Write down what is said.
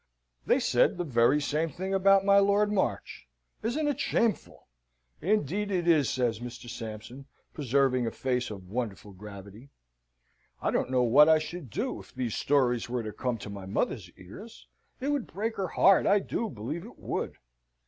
"They said the very same thing about my Lord March. Isn't it shameful?" "Indeed it is," says Mr. Sampson, preserving a face of wonderful gravity. "I don't know what I should do if these stories were to come to my mother's ears. It would break her heart, I do believe it would.